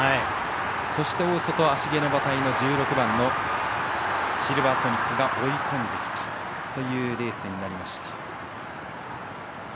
そして、大外は芦毛の馬体の１６番のシルヴァーソニックが追い込んできたというレースになりました。